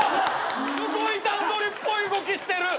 すごい段取りっぽい動きしてる！